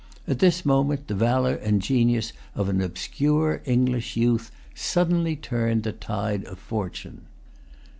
At this moment, the valour and genius of an obscure English youth suddenly turned the tide of fortune.